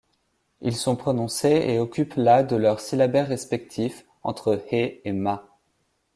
Ils sont prononcés et occupent la de leur syllabaire respectif, entre へ et ま.